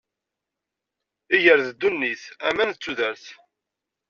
Iger d ddunit, aman d tudert.